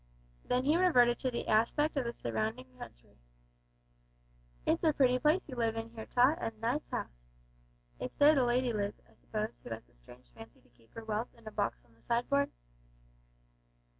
Then he reverted to the aspect of the surrounding country. "It's a pretty place you live in here, Tot, an' a nice house. It's there the lady lives, I suppose who has the strange fancy to keep her wealth in a box on the sideboard?